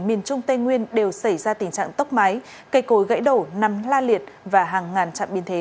miền trung tây nguyên đều xảy ra tình trạng tốc máy cây cối gãy đổ nằm la liệt và hàng ngàn trạm biên thế